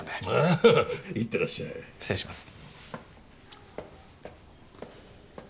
あいってらっしゃい失礼します